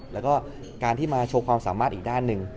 แล้วก็การที่มาโชว์ความสามารถอีกด้านหนึ่ง